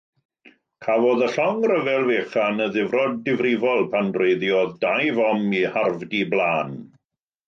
Cafodd y llong ryfel fechan ddifrod difrifol pan dreiddiodd dau fom ei harfdy blaen.